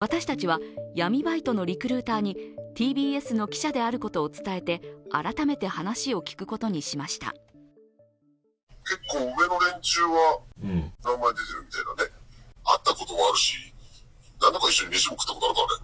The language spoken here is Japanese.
私たちは、闇バイトのリクルーターにＴＢＳの記者であることを伝えて改めて話を聞くことにしました。